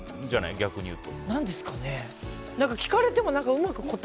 逆に言うと。